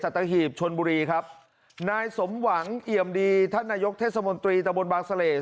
ตะหีบชนบุรีครับนายสมหวังเอี่ยมดีท่านนายกเทศมนตรีตะบนบางเสล่